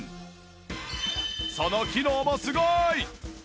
その機能もすごい！